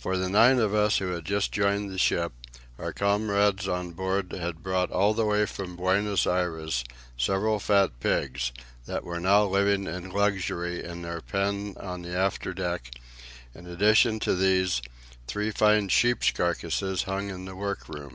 For the nine of us who had just joined the ship, our comrades on board had brought all the way from Buenos Aires several fat pigs, that were now living in luxury in their pen on the after deck; in addition to these, three fine sheep's carcasses hung in the workroom.